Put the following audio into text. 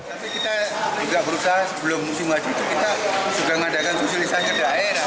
tapi kita juga berusaha sebelum musim haji itu kita sudah mengadakan sosialisasi ke daerah